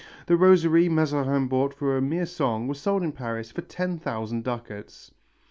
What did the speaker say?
The rosary Mazarin bought for a mere song was sold in Paris for ten thousand ducats.